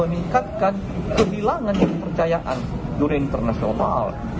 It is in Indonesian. meningkatkan kehilangan yang dipercayaan dunia internasional